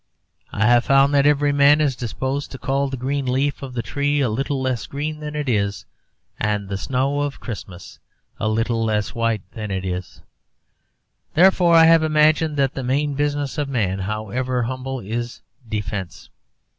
I have found that every man is disposed to call the green leaf of the tree a little less green than it is, and the snow of Christmas a little less white than it is; therefore I have imagined that the main business of a man, however humble, is defence.